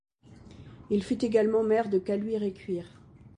Il fut également maire de Caluire-et-Cuire.